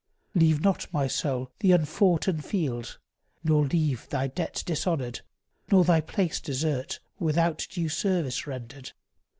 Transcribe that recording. Leave not, my soul, the unfoughten field, nor leave Thy debts dishonoured, nor thy place desert Without due service rendered.